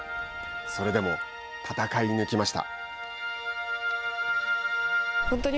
それでも戦い抜きました。